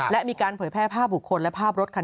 และมีการเผยแพร่ภาพบุคคลและภาพรถคัน